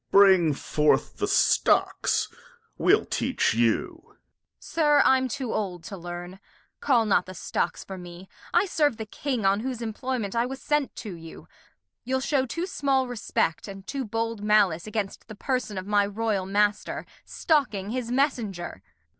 Duke. Bring forth the Stocks, we'll teach you. Kent. Sir, I'm too old to learn ; Call not the Stocks for me, I serve the King ; On whose Employment I was sent to you ; You'll shew too small Respect, and too bold Malice Against the Person of my Royal Master, Stocking his Messenger.